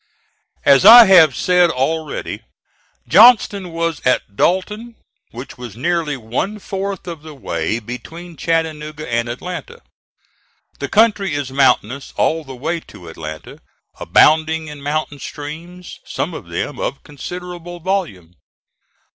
As I have said already, Johnston was at Dalton, which was nearly one fourth of the way between Chattanooga and Atlanta. The country is mountainous all the way to Atlanta, abounding in mountain streams, some of them of considerable volume.